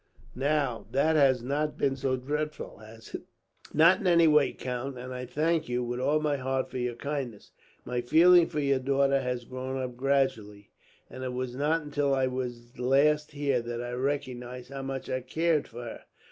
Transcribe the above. "Now, that has not been so dreadful, has it?" "Not in any way, count; and I thank you, with all my heart, for your kindness. My feeling for your daughter has grown up gradually, and it was not until I was last here that I recognized how much I cared for her.